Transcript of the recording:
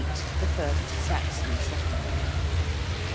THE FIRST SAXON SETTLEMENT.